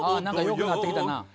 何かよくなってきたな。